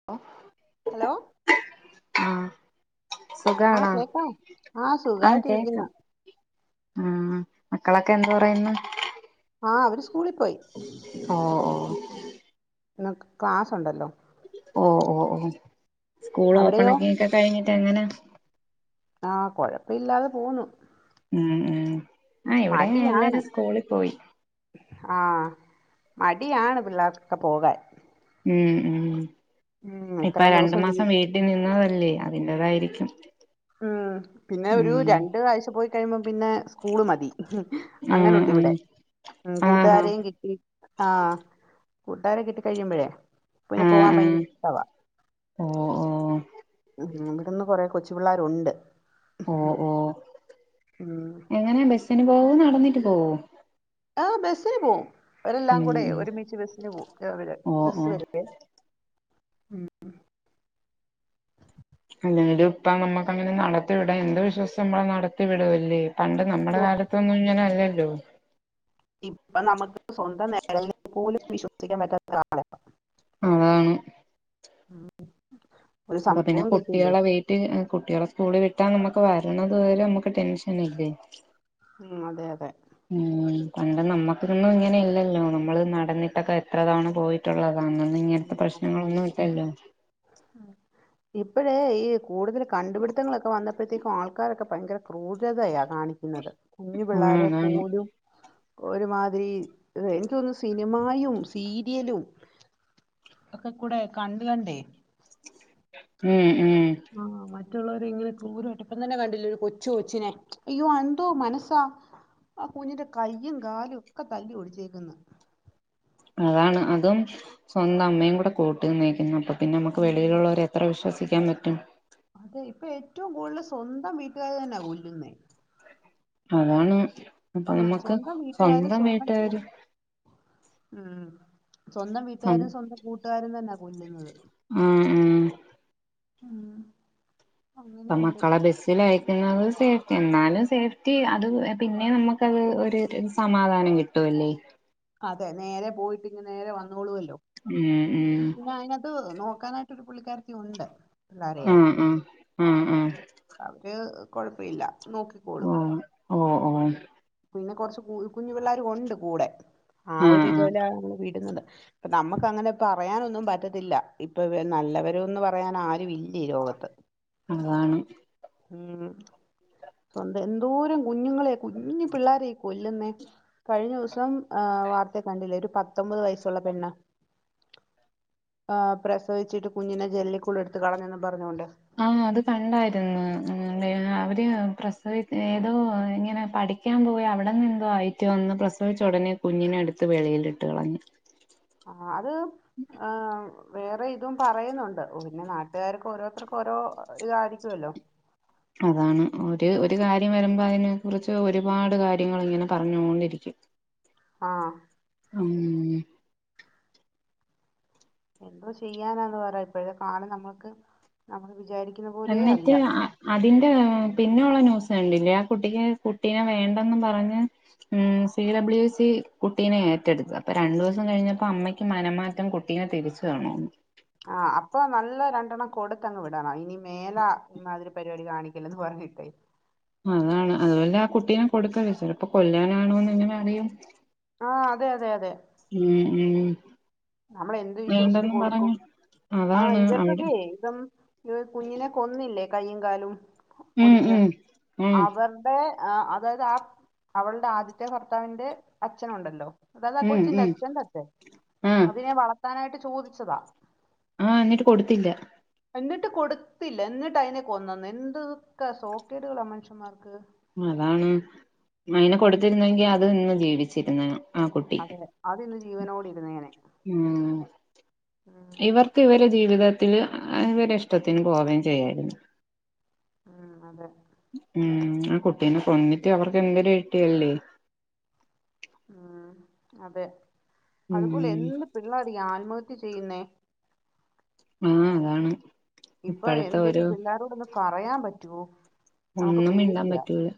[unintelligible] Hello ആഹ് ആ സുഖാണോ കേക്കാം ആ ആഹ് സുഖായിട്ടിരിക്കുന്നു കേക്കാം ഉം മക്കളൊക്കെ എന്ത്‌ പറയുന്നു ആഹ് അവര് സ്കൂളിൽ പോയി ഓഹോ ഇന്ന് ക്ലാസ് ഉണ്ടല്ലോ ഓ ഓ ഓ സ്കൂൾ ഓപ്പൺ അവിടെയോ ഒക്കെക്കെ കഴിഞ്ഞിട്ട് എങ്ങനെ ആഹ് കൊഴപ്പല്ലാതെ പോകുന്നു ഉം ഉം ആഹ് ഇവിടെ മടിയാണ് എല്ലാരും സ്കൂളിൽ പോയി ആഹ് മടിയാണ് പിള്ളേർക്ക്‌ ഒക്കെ പോകാൻ ഉം ഉം ഉം ഇപ്പൊ ഇത്രയും രണ്ട് ദിവസം മാസം വീ- വീട്ടി- വീട്ടിൽ നിന്നതല്ലേ അതിന്റതായിരിക്കും ഉം പിന്നെ ഒരു രണ്ട് ആഴ്ച പോയി കഴിയുമ്പം പിന്നെ സ്കൂള് മതി ആഹ് അങ്ങനുണ്ട് ഇവിടെ ഉം ആഹ് ആഹാ കൂട്ടുകാരെയും കിട്ടി ആഹ് കൂട്ടുകാര കിട്ടി കഴിയുമ്പോഴേ പിന്നെ പോവാൻ ഭയങ്കര ഇഷ്ടവാ ഓഹോ ഓഹ് ഉം ഇവിടുന്ന് കുറെ കൊച്ചു പിള്ളേരുണ്ട് ഓ ഓ ഉം എങ്ങനെ ബസിന് പോവോ നടന്നിട്ട് പോവോ ആഹ് ബസ്സിന് പോവും അവരെല്ലാം ഉം കൂടെ ഉം ഒരുമിച്ച് ബസ്സിന് പോവും അവര് ഓ ബസ് ഓ വരില്ലേ അല്ലെങ്കും ഇപ്പ നമ്മുക്ക് അങ്ങനെ നടത്തി വിടാം എന്ത് വിശ്വാസിച്ചു നമ്മെ നടത്തി വിടല്ലേ പണ്ട് നമ്മുടെ കാലത്തൊന്നും ഇങ്ങന അല്ലല്ലോ ഇപ്പൊ നമുക്ക് സ്വന്തം നെയ്ൽ പോലും വിശ്വസിക്കാൻ പറ്റാത്ത കാലമാ അതാണ് [unintelligible] അപ്പൊ പിന്നെ കേട്ടില്ലേ കുട്ടികാളെ വീട്ട കുട്ടികളെ സ്കൂളിൽ വിട്ടാ നമുക്ക് വരണതുവരെ നമുക്ക് ടെൻഷൻ അല്ലേ ഉം അതെ അതെ. ഉം പണ്ട് നമ്മക്കൊന്നും ഇങ്ങനെ ഇല്ലല്ലോ നമ്മള് നടന്നിട്ടൊക്കെ എത്ര തവണ പോയിട്ടുള്ളതാണ്. ഇങ്ങൻത്തെ പ്രശ്നങ്ങളൊന്നും ഇല്ലല്ലോ. ആഹ് ഇപ്പഴേ ഈ കൂടുതൽ കണ്ടു പിട്ത്തങ്ങളൊക്കെ വന്ന പ്പഴ്ത്തേക്കും ആൾക്കാരൊക്കെ ഭയങ്കര ക്രൂരതയ കാണിക്കൃന്നത് കുഞ്ഞു ആഹ് പിള്ളോരെ അതാണ് പോലും. ഒരുമാതിരി എനിക്ക് തോന്നുന്നു സിനിമായും സീരിയലും. ഒക്ക കൂടെ കണ്ട് കണ്ടേ. ഉം ഉം. ആഹ് ആഹ് മറ്റുള്ളവരെ ഇങ്ങനെ ക്രൂരായിട്ട് ഇപ്പം തന്നെ കണ്ടില്ലേ ഒരു കൊച്ചു കൊച്ചിനെ അയ്യോ എന്തോ മനസ്സാ. ആഹ് കുഞ്ഞിന്റെ കയ്യും കാലും ഒക്കെ തല്ലി ഒടിച്ചേക്ക്‌ന്ന്. അതാണ് അതും സ്വന്തം അമ്മയും കൂടെ കൂട്ടി നിന്നേക്കുന്ന് അപ്പോ പിന്നെ നമ്മുക്ക് ഉം. വെളിയിലുള്ളോരെ. എത്ര വിശ്വസിക്കാൻ പറ്റും. അതെ ഇപ്പൊ ഏറ്റവും കൂടുതൽ സ്വന്തം വീട്ടുകാർ തന്നെ കൊല്ലുന്നേ. അതാണ് അപ്പൊ ആ നമ്മക്ക് സ്വന്തം വീട്ടുകാരും സ്വന്തം വീട്ട്കാർ. കൂ- ഉം സ്വന്തം സ്വ വീട്ടുകാരും സ്വന്തം കൂട്ടുകാരും തന്നാ കൊല്ലുന്നത്. മ് മ്. ആഹ്. പ്പം മക്കളെ ബെസ്. സ്സിലയക്കുന്നത് സേഫ്റ്റി എന്നാലും സേഫ്റ്റി അത് പിന്നെ നമുക്കത് ഒര് സമാധാനം കി ട്ടു അല്ലേ. അതെ നേരെ പോയിട്ട് ഇങ്ങ് നേരെ വന്നോളുവല്ലോ. ഉം ഉം. ഇപ്പ അയിനകത്ത് നോക്കാനായിട്ടൊരു പുള്ളിക്കാര്ത്തി ഉണ്ട് പിള്ളാരെ. ഉം ആ ആ ആ അവര് കൊഴപ്പ ഇല്ല നോക്ക് ഉം ഓഹ് ഓഹ്. പിന്നെ കൊറ്ച്ച് കു കുഞ്ഞു പിള്ളേരും ഒണ്ട് കൂടെ ആഹ് ആ ഒരു ആ ഇതുമല നമ്മള് വിടുന്നത്. നമ്മക്കങ്ങനെ പറയാനൊന്നും പറ്റത്തില്ല ഇപ്പൊ വ നല്ലവരുന്ന് പറയാൻ ആരുവില്ലി ഈ ലോകത്ത്. അതാണ്. ഉം. സ്വന്തം എന്തോരം കുഞ്ഞുങ്ങളെ കുഞ്ഞു പിള്ളാരെ ഈ കൊല്ലുന്നേ. കഴിഞ്ഞ ദിവസം ഏഹ് വാർത്തേല് കണ്ടില്ലേ ഒരു പത്തൊമ്പത് വയസ്സുള്ള പെണ്ണ്. ആഹ് പ്രസവിച്ചിട്ട് കുഞ്ഞിനെ ജെനലിക്കൂടി എടുത്ത് കളഞ്ഞന്നും പറ്ഞ്ഞോണ്ട്. ആഹ് അത് കണ്ടായിരുന്നു അവര് പ്രസവി ഏതോ ഇങ്ങനെ പഠി യ്ക്കാൻ പോയി അവിടെന്നെന്തോ ആയിട്ട് വന്ന് പ്രസവിച്ച ഒടനെ കുഞ്ഞിനെട്ത്ത് വെളിയിലിട്ട് കളഞ്ഞ്. ആഹ് അത്. ആഹ് വേറെ ഇതും പറയുന്നുണ്ട് പിന്നെ നാട്ടുകാർക്ക് ഓരോർത്തർക്കും ഓരോ ഇതായിരിക്കുവല്ലോ. അതാണ് ഒര് ഒരു കാര്യം വരുമ്പോ അതിനെ കുറ്ച്ച് ഒരുപാട് കാര്യങ്ങളിങ്ങനെ പറഞ്ഞോണ്ടിരിക്കും. ആഹ്. ഉം. എന്തോ ചെയ്യാനാന്ന് പറ ഇപ്പഴേ കാലം നമ്മൾക്ക് നമ്മള് വിചാരിക്ക എന്നിട്ട് ആഹ്. അതിന്റെ പിന്നെ ഒള്ള ന്യൂസ് കണ്ടില്ലേ ആഹ് കുട്ടിക്ക് കുട്ടീനെ വേണ്ടന്നും പറഞ്ഞ്. ഉം സി ഡബ്ല്യു സി കുട്ടീനെ ഏറ്റെടുത്ത് അപ്പോ രണ്ടൂസം കഴിഞ്ഞപ്പോ അമ്മയ്ക്ക് മനമാറ്റം കു ട്ടിനെ തിരിച്ചു വേണോന്ന്. ആഹ് അപ്പോ നല്ല രണ്ടെണ്ണം കൊടുത്തങ്ങ് വിടണം ഇനി മേലാൽ ഇമ്മാതിരി പരിപാടി കാണിക്കല്ലെന്ന് പറഞ്ഞിട്ടേ അതാണ് അതുപോലെ ആ കുട്ടീനെ കൊടുക്കര്ത് ചെലപ്പോ കൊല്ലാനാണോന്ന് എങ്ങനെ അറിയും ആഹ് അതെ അതെ അതെ ഉം ഉം നമ്മളെന്ത് വിശ്വസിച്ച് വേണ്ടെന്നും കൊടുക്കും പറഞ്ഞ് ആഹ് അതാണ് അവിടെ ഇവർക്കൊക്കെ ഇതൊ ഒരു കുഞ്ഞിനെ കൊന്നില്ലേ കയ്യും കാലും ഉം ഒടിച്ച് ഉം ഉം അവർ ടെ അതായത് ആ അവളുടെ ആദ്യത്തെ ഭർത്താവിന്റെ അച്ഛനുണ്ടല്ലോ അതയത് ആഹ് ഉം കൊച്ചിന്റെ ഉം അച്ഛന്റച്ചൻ ആഹ് അതിനെ വളർത്താനായിട്ട് ചോദിച്ചതാ ആഹ് എന്നിട്ട് കൊടുത്തില്ല എന്നിട്ട് കൊടുത്തില്ല എന്നിട്ട് അയിനെ കൊന്നന്ന് എന്തൊക്കെ സോക്കേടുകളാ മനുഷ്യന്മാർക്ക് അതാണ് അയിനെ ഉം കൊടുത്തിരുന്നെങ്കി അത് ഇന്ന് ജീവിച്ചിരുന്നെനെ ആ കുട്ടി അതെ അതിന്ന് ജീവനോടെ ഇരുന്നേനെ ഉം ഇവർ ഉം ഇവർക്ക് ഇവരെ ജീവിതത്തില് ഇവരെ ഇഷ്ടത്തിന് പോവേം ചെയ്യായിരുന്നു ഉം അതെ ഉം ആ കുട്ടീനെ കൊന്നിട്ട് അവർക്ക് എന്തര് കിട്ടിയല്ലേ ഉം അതെ അതുപോലെ ഉം എന്ത് പിള്ളേരി ആത്മഹത്യ ചെയ്യുന്നേ ആഹ് അതാണ് ഇപ്പൊ ഇപ്പോഴത്തെ എന്തേലും ഒരു പിള്ളോരോടൊന്ന് പറയാൻ പറ്റുവോ നമുക്ക് ഒന്നും മിണ്ടാൻ പേടിയാ പറ്റൂല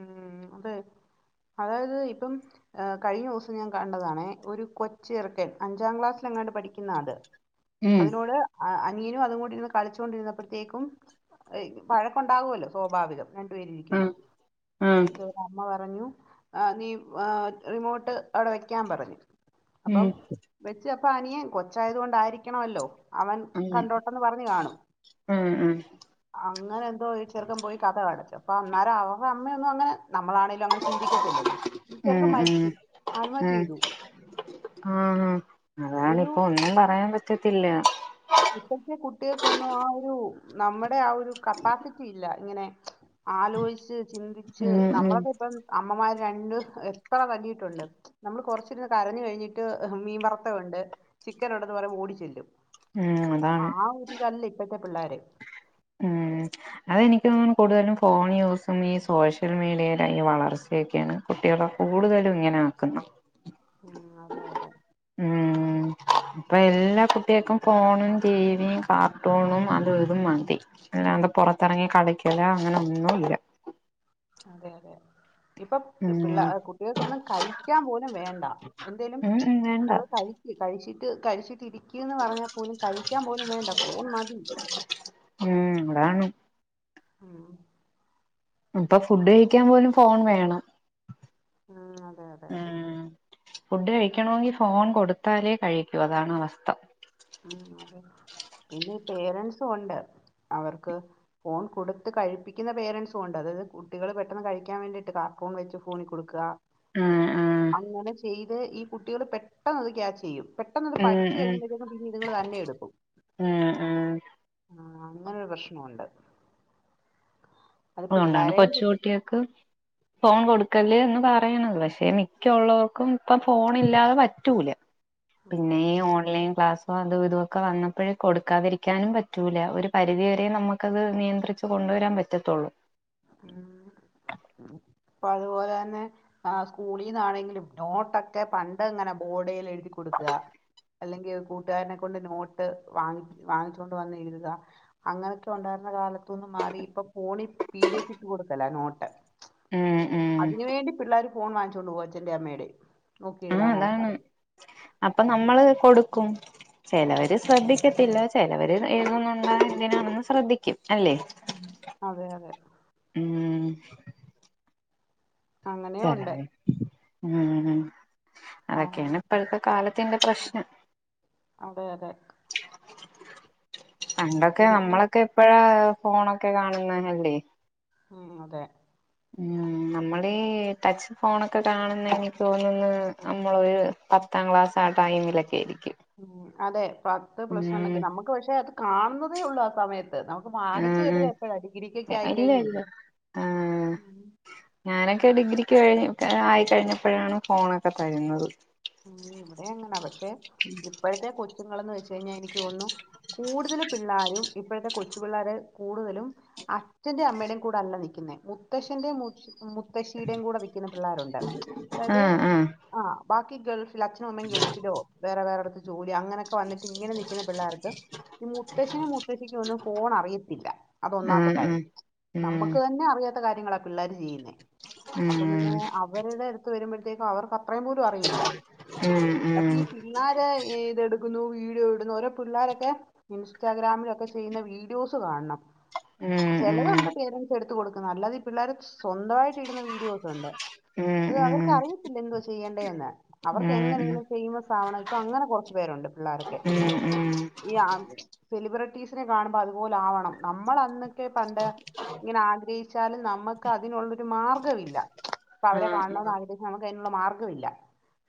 ഉം അതെ അതായത് ഇപ്പം ഏഹ് കഴിഞ്ഞ ദിവസം ഞാൻ കണ്ടതാണെ ഒരു കൊച്ചു ചെറുക്കൻ അഞ്ചാം ക്ലാസ്സിലെങ്ങാണ്ട് പഠിക്കുന്നാത് ഉം അതിനോട് അനിയനും അതുംകൂ- ടിരുന്ന് കളിച്ചോണ്ടിരുന്നപ്പോഴത്തേക്കും വഴക്കുണ്ടാകുവല്ലോ സ്വാഭാവികം രണ്ടു ആ പേരിക്കുമ്പോ ആ അപ്പഴത്തേക്ക് അമ്മ പറ ഞ്ഞു ആഹ് നീ ആഹ് റിമോട്ട് അവിടെ വെയ്ക്കാൻ പറഞ്ഞു അപ്പം ഉം വെച്ച് അപ്പ അനിയൻ കൊച്ചായത് കൊണ്ടായിരിക്കണല്ലോ അവൻ അങ്ങനെ കണ്ടോട്ട ട്ടന്ന് പറഞ്ഞ് കാണും ഉം ഉം അങ്ങനെ എന്തോ ഈ ചെറ്ക്കൻ പോയി കഥകടച്ചു അപ്പൊ അന്നേരം അവ അമ്മയൊന്നും അങ്ങനെ നമ്മളാണെ അങ്ങനെ ചിന്തിക്കത്തില്ലല്ലോ ഉം ചെറക്കാൻ മരിച്ചു ആത്മഹ ചെയ്തു ആഹ അതണ് ഒരു ഇപ്പോ ഒന്നും പറയാൻ പറ്റത്തില്ല ഇപ്പോഴത്തെ കുട്ടികൾക്കൊന്നും ആ ഒരു നമ്മുടെ ആ ഒരു കപ്പാസിറ്റി ഇല്ല എങ്ങനെ ആലോചിച്ച് ചിന്തിച്ച് ഉം ഉം നമ്മളക്ക ഇപ്പം അമ്മമാര് രണ്ട് എത്ര വലിട്ടുണ്ട് നമ്മൾ കൊറച്ചിരുന്ന് കരഞ്ഞു കഴിഞ്ഞിട്ട് മീൻ വറുത്തവ ഉണ്ട് ചിക്കൻ ഉണ്ടന്ന് പറഞ്ഞ ഓടി ചെല്ലും ഉം അതാണ് ആ ഒരുരിതല്ല ഇപ്പഴത്തെ പിള്ളോര് ഉം അതെനിക്ക് തോന്ന് കൂടുതലും ഫോൺ യൂസും ഈ സോഷ്യൽ മീഡിയയില വളർച്ചയൊക്കെയാണ് കുട്ടികളെ ഉം. കൂടുതലും ഇങ്ങനെ ആക്കുന്നു ഉം അതെ അതെ ഉം ഇപ്പൊ എല്ലാ കുട്ടികൾക്കും ഫോണും ടിവിയും കാർട്ടൂണും അത് ഇതും മതി അല്ല അത് പുറത്തിറങ്ങി കളിക്കല അങ്ങനെ ഒന്നുമ ഇല്ല അതെ അതെ ഇപ്പൊ ഉം പിള്ള കുട്ടികൾക്കൊന്നും കഴിക്കാൻ പോലും വേണ്ട എന്തേലും ഉം ഉം വേണ്ട നമ്മൾ കഴ കഴിച്ചിട്ട് കഴിച്ചിട്ടിരിക്കന്ന് പറഞ്ഞാൽ പോലും കഴിക്കാൻ പോലും വേണ്ട ഫോൺ മതി ഉം അതാണ് ഉം ഇപ്പൊ ഫുഡ് കഴിക്കാൻ പോലും ഫോൺ വേണം ഉം, അതെ അതെ ഉ അതെ ഫുഡ് കഴിക്കണമെങ്കിൽ ഫോൺ കൊടുത്താലേ കഴിക്കൂ അതാണ് അവസ്ഥ ഉ അതെ പിന്നെ പേരന്സും ഉണ്ട് അവർക്ക് ഫോൺ കൊടുത്ത് കഴിപ്പിക്കുന്ന പേരൻറ്സും കൊണ്ട് അതായത് കുട്ടികൾ പെട്ടെന്ന് കഴിക്കാൻ വേണ്ടിയിട്ട് കാർട്ടൂൺ വെച്ച് ഫോണി കൊടുക്കുക ഉം ഉം അങ്ങനെ ചെയ്ത് ഈ കുട്ടികള് പെട്ടെന്ന് അത് ക്യാചെയ്യും പെട്ടെന്ന് ഉം പഠിച്ചു ഉം കഴിയുമ്പഴേങ്കും പിന്നെ ഇങ്ങ തന്നെ എടുക്കും ഉം ഉം ആഹ് അങ്ങനെരു പ്രശ്നമുണ്ട് അത് അതുകൊണ്ടാണ് പിള്ളോരെയും കുറ്റം കൊച്ചുകുട്ട്യൊക്ക് ഫോൺ കൊടുക്കല്േ എന്ന് പറയണത് പക്ഷെ മിക്കുള്ളവർക്കും ഇപ്പൊ ഫോൺ ഇല്ലാതെ പറ്റൂല പിന്നെ ആ ഈ ഓൺലൈൻ ക്ലാസ് അപ്പൊ അത് ഇതൊക്കെ വന്നപ്പോഴേ കൊടുക്കാതിരിക്കാനും പറ്റൂല ഒരു പരിധിവരെ നമുക്കത് നിയന്ത്രി ച്ച് കൊണ്ടുവരാൻ പറ്റത്തുള്ളൂ ഉം അപ്പൊ അതുപോലെ തന്നെ ആഹ് സ്കൂളീന്നാണെങ്കിലും നോട്ടൊക്കെ പണ്ട് എങ്ങനെ ബോർഡേൽ എഴുതി കൊടുക്ക അല്ലെങ്കിൽ കൂട്ടുകാരനെ കൊണ്ട് നോട്ട് വാങ്ങി വാങ്ങിച്ചൊണ്ട് വന്ന് എഴുത അങ്ങനൊക്കെ ഉണ്ടായിരുന്ന കാലത്തൊന്നും മാറി ഇപ്പൊ ഫോണിൽ പി ഡി എഫ് ഇട്ട് കൊടുക്കല നോട്ട് ഉം ഉം അതിനുവേണ്ടി പിള്ളേർ ഫോൺ വാങ്ങിച്ചുകൊണ്ട് പോക അച്ഛ്ൻ്റെ അമ്മേടെം ആഹ് അതാണ് അപ്പൊ നമ്മള് കൊടുക്കും ചിലവര് ശ്രദ്ധിക്കത്തില്ല ചെിലവര് എഴുതുന്നുണ്ടായ ഇതിനാണെന്ന് ശ്രദ്ധിക്കും അല്ലേ ഉം അതെ അതെ ഉം അങ്ങനെയും ചരാ ഉണ്ട് ഉ ആ അതൊക്കെയാണ് ഇപ്പോഴത്തെ കാലത്തിന്റെ പ്രശ്നം അതെ അതെ പണ്ടൊക്കെ ഒരു മാ- നമ്മളൊക്കെ എപ്പഴാ ഫോണൊക്കെ കാണുന്ന അല്ലേ ഉം അതെ ഉം നമ്മള് ഈ ടച്ച് ഫോണൊക്കെ കാണുന്നെങ്കിൽ തോന്നന്ന് നമ്മളൊ ഒരു പത്താം ക്ലാസ് ആ ടൈമിലൊക്കെയിരിക്കും ഉം അതെ പത്ത് പ്ലസ് വൺ ഒക്കെ നമുക്ക് പക്ഷെ അത് കാണുന്നതേ ഉള്ളൂ ആ സമയ നമുക്ക് വാങ്ങിച്ചു ആഹ് തരുത് എപ്പോഴാ ഡിഗ്രിക്കൊക്കെ ആഹ് ഇല്ല ആയിക്കഴിഞ്ഞണ്ട് ഇല്ല ആഹ് ഞാനൊക്കെ ഡിഗ്രിക്ക് കഴി ആയിക്കഴിഞ്ഞപ്പോഴാണ് ഫോണൊക്കെ തരുന്നത് ഉം ഇവിടെം അങ്ങനാ പക്ഷെ ഇപ്പോഴത്തെ കൊച്ചുങ്ങളെന്ന് വെച്ച് കഴിഞ്ഞാ എനിക്ക് തോന്നുന്നു കൂടുതല് പിള്ളാരും ഇപ്പോഴത്തെ കൊച്ചു പിള്ളേരെ കൂടുതലും അച്ഛന്റെ അമ്മേടെം കൂടെ അല്ലാ നിക്കുന്നേ മുത്തശ്ശന്റെയും മുത് മുത്തശ്ശീടെം കൂടെ നി ക്കുന്ന പിള്ളേരുണ്ട് അതായത് ആഹ് ബാക്കി ഗൾഫ് അച്ഛനും അമ്മേം ഗൾഫിലോ വേറെ വേറെടുത്ത് ജോലിയോ അങ്ങനൊക്കെ വന്നിട്ട് ഇങ്ങനെ നിൽക്കുന്ന പിള്ളേരിണ്ട് ഈ മുത്തശ്ശനും മുത്തശ്ശിക്കൊന്നും ഫോൺ അറിയത്തില്ല അതൊന്നാംത്തെ ആഹ് കാര്യം ആഹ് നമ്മക്ക് ഉം തന്നെ അറിയാത്ത കാര്യങ്ങളാ പിള്ളേര് ചെയ്യുന്നേ അപ്പം പിന്നെ അവ വരുടെ അടുത്ത് വരുമ്പോഴത്തേക്കും അവർക്ക് അത്രയും പോലും അറിയില്ല ഉം ഉം അപ്പൊ ഈ ഉം ന്നാരെ ഇതെടുക്കുന്നു വീഡിയോ ഇടുന്നു ഓരോ പിള്ളോരൊക്കെ ഇൻസ്റ്റഗ്രാമിലൊക്കെ ചെയ്യുന്ന വീഡിയോസ് കാണണം ഉം ഉം ഉം ചെലതുണ്ട് പേരൻസ് എടുത്ത് കൊടുക്കുന്നേ അല്ലാതെ പിള്ളേര് സ്വന്തമായിട്ട് ഇടുന്ന വീഡിയോക്കെ ഒണ്ട് ഉം അത് അവർക്ക് അറിയത്തില്ല എന്തോ ചെയ്യേണ്ടേ ന്ന് ഉം അവർക്ക് ഉം എങ്ങനെങ്കേലും ഫെയ്മസ് ആവണം ഇപ്പൊ അങ്ങനെ കൊറച്ചു പേരുണ്ട് പിള്ളോരൊക്കെ ഉം ഉം സെലിബ്രിറ്റീസിനെ കാണുമ്പോ അതുപോലാവണം നമ്മള് അന്നൊക്കെ പണ്ട് ഇങ്ങനെ ആഗ്രഹിച്ചാലും നമ്മക്ക് അതിനുള്ളൊരു മാർഗമവില്ല അപ്പൊ അവരെ ആഹ് കാണണൊന്ന് ആഹ് ആഗ്രഹിച്ചാ നമുക്ക് അതിനുള്ള മാർഗ്ഗമില്ല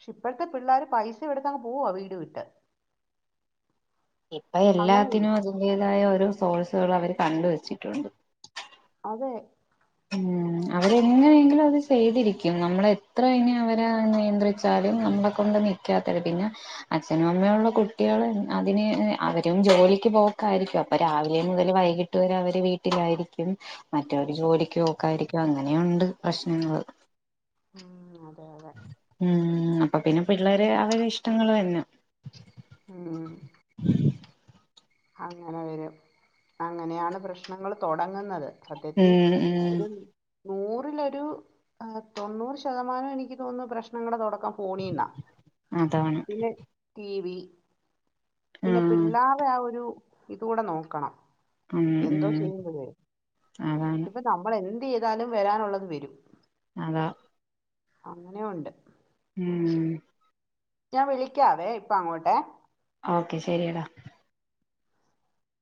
ക്ഷെ ഇപ്പോഴത്തെ പിള്ളാര് പൈസ എടുത്തങ് പോവാ വീട് വിട്ട് ഇപ്പൊ അങ്ങനെ എല്ലാത്തിനും അതിന്റെതായ ഓരോ സോഴ്സുകള് അവര് കണ്ട് വെച്ചിട്ടുണ്ട് അതെ ഉം അവരെങ്ങെനെയെങ്കിലും അത് ചെയ്തിരിക്കും നമ്മളെ എത്ര ഇനി അവരെ നിയന്ത്രിച്ചാലും നമ്മളെ കൊണ്ടൊന്നും എ ക്കേ തര് പിന്നെ അച്ഛനും അമ്മയുള്ള കുട്ടികള് അതിന് അവരും ജോലിക്ക് പോക്കായിരിക്കും അപ്പൊ രാവിലെ മുതൽ വൈകി ട്ട് അവര് വീട്ടിലായിരിക്കും മറ്റവര് ജോലിക്ക് ഓക്കായിരിക്കും അങ്ങനെയുണ്ട് പ്രശ്നങ്ങള് ഉം അതെ അതെ ഉ അപ്പൊ പിന്നെ പിള്ളേരെ അവരെ ഇഷ്ടങ്ങള് തന്നെ ഉം അങ്ങനെ വരും അങ്ങനെയാണ് പ്രശ്നങ്ങള് തൊടങ്ങുന്നത് സത്യത്തി ഉം ഉം ഒരു നൂറിലൊരു ആ തൊണ്ണൂറ് ശതമാനം എനിക്ക് തോന്നുന്നു പ്രശ്നങ്ങടെ തൊടക്കം ഫോണീന്നാ അതാണ് പിന്നെ ടി വി ആഹ് പിന്നെ പിള്ളരെ ആ ഒരു ഇതുകൂടെ നോക്കണം ഉം എന്തോ ഉം ചെയ്യുമ്പഴേ അതാണ് ഇപ്പൊ നമ്മളെന്തൈയ്താലും വെരാനുള്ളത് വെരും അലോ അങ്ങനെയൊണ്ട് ഉം ഞാൻ വിളിക്കാവേ ഇപ്പ അങ്ങോട്ടെ ഓക്കെ ശരിയെടാ